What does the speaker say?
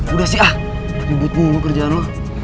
udah sih al